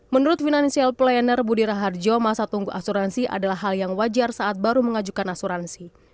menurut financial planner budi raharjo masa tunggu asuransi adalah hal yang wajar saat baru mengajukan asuransi